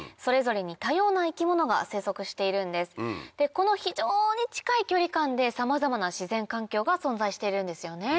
この非常に近い距離感でさまざまな自然環境が存在してるんですよね。